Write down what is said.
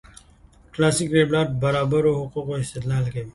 کلاسیک لېبرال برابرو حقوقو استدلال کوي.